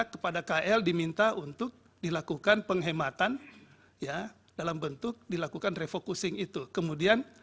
kepada kl diminta untuk dilakukan penghematan ya dalam bentuk dilakukan refocusing itu kemudian